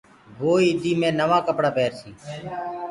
وو ايدي مي نوآ ڪپڙآ پيرسي۔